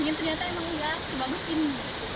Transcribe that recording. yang ternyata memang tidak sebagus ini